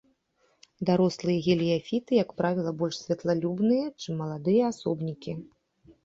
Дарослыя геліяфіты, як правіла, больш святлалюбныя, чым маладыя асобнікі.